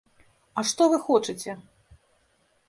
А што вы хочаце?